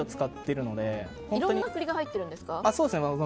いろんな栗が入ってるんですか？